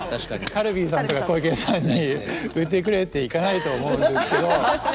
カルビーさんとか湖池屋さんに売ってくれって行かないと思うんですけど。